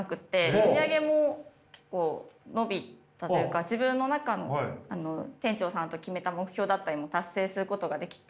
売り上げも結構伸びたというか自分の中の店長さんと決めた目標だったりも達成することができて。